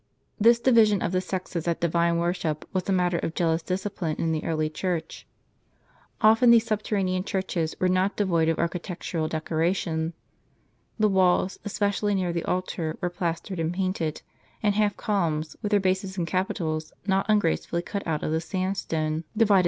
This division of the sexes at divine worship was a matter of jealous discipline in the early Church. Often these subterranean churches were not devoid of architectural decoration. The walls, esjjecially near the altar, were plastered and painted, and half columns, with their bases and capitals, not ungracefully cut out of the sandstone, divided * Door keepers, — an oflSce constituting a lesser order in the Church.